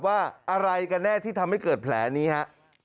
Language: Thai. ว่าอะไรกันแน่ที่ทำให้เกิดแผลนี้ฮะ